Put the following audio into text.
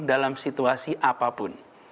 dalam situasi apapun